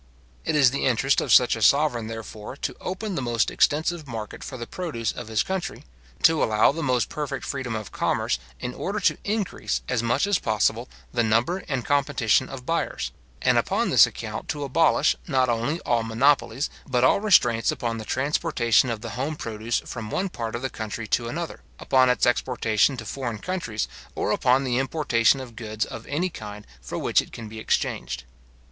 It is the interest of such a sovereign, therefore, to open the most extensive market for the produce of his country, to allow the most perfect freedom of commerce, in order to increase as much as possible the number and competition of buyers; and upon this account to abolish, not only all monopolies, but all restraints upon the transportation of the home produce from one part of the country to another, upon its exportation to foreign countries, or upon the importation of goods of any kind for which it can be exchanged.